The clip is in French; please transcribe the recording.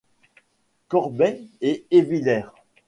Corbais et Hévillers.